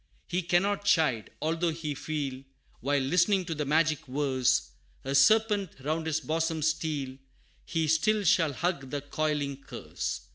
He cannot chide; although he feel, While listening to the magic verse, A serpent round his bosom steal, He still shall hug the coiling curse.